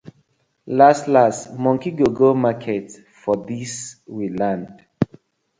Lass lass monkey go go market for dis we land.